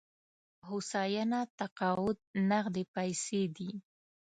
هوساینه تقاعد نغدې پيسې دي.